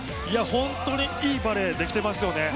本当にいいバレーできてますよね。